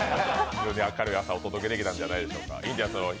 より明るい朝をお届けできたんじゃないでしょうか。